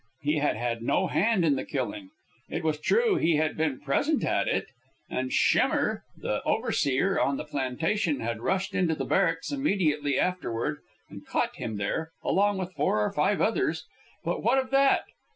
He had had no hand in the killing. It was true he had been present at it, and Schemmer, the overseer on the plantation, had rushed into the barracks immediately afterward and caught him there, along with four or five others; but what of that?